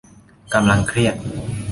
กำลังเครียด